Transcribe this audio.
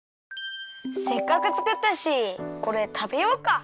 せっかくつくったしこれたべようか。